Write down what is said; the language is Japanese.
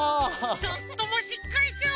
ちょっともうしっかりしてよ！